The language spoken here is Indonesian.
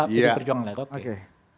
dpp pdi perjuangan ya oke